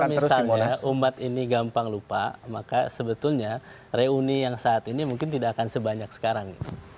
kalau misalnya umat ini gampang lupa maka sebetulnya reuni yang saat ini mungkin tidak akan sebanyak sekarang